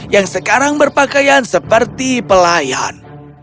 yang sekarang berpakaian seperti pelayan